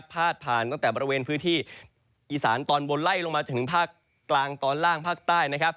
พาดผ่านตั้งแต่บริเวณพื้นที่อีสานตอนบนไล่ลงมาจนถึงภาคกลางตอนล่างภาคใต้นะครับ